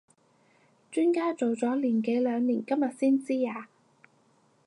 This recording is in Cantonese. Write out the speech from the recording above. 磚家做咗年幾兩年今日先知呀？